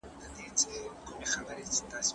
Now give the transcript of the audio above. پاچا د عدالت ټینګولو لپاره کوم ګامونه پورته کړل؟